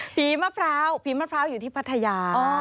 มะพร้าวผีมะพร้าวอยู่ที่พัทยา